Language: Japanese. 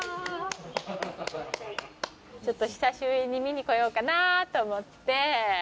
久しぶりに見に来ようかなと思って。